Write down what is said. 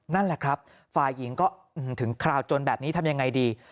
นั่นแหละครับฝ่ายหญิงก็ถึงคราวจนแบบนี้ทำยังไงดี